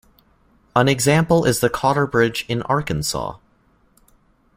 An example is the Cotter Bridge in Arkansas.